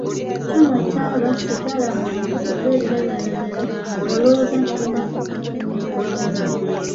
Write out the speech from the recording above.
Tonywa taaba, sigala, mwenge oba ebiragalalagala ng’olowooza nti binaakukkakkanya ebirowoozo.